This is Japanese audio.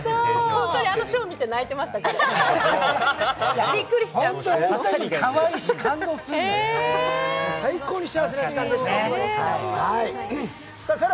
ホントにあのショー見て泣いてましたから。